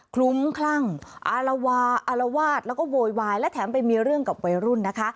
ลุ้มคลั่งอารวาอารวาสแล้วก็โวยวายและแถมไปมีเรื่องกับวัยรุ่นนะคะ